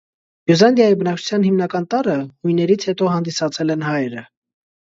Բյուզանդիայի բնակչության հիմնական տարրը հույներից հետո հանդիսացել են հայերը։